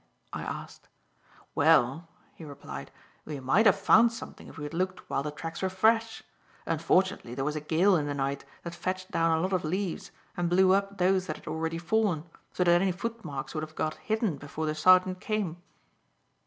I asked. "Well," he replied, "we might have found something if we had looked while the tracks were fresh. Unfortunately there was a gale in the night that fetched down a lot of leaves, and blew up those that had already fallen, so that any foot marks would have got hidden before the sergeant came."